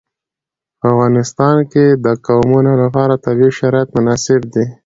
په افغانستان کې د قومونه لپاره طبیعي شرایط مناسب دي.